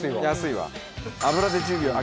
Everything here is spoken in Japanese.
安いわ。